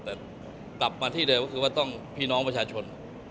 ต่อมาที่เดินก็คือต้องพี่น้องประชาชน